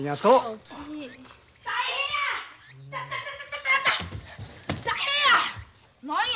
大変や！